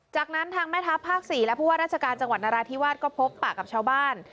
จากนั้นทางแม่ทัพภาค๔และผู้ว่าราชการจังหวัดนราธิวาสก็พบปากกับชาวบ้าน